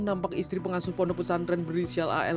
nampak istri pengasuh pondok pesantren berinisial al